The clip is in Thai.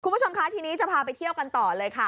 คุณผู้ชมคะทีนี้จะพาไปเที่ยวกันต่อเลยค่ะ